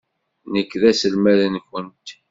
Nekk d taselmadt-nwent.